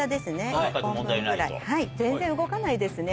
全然動かないですね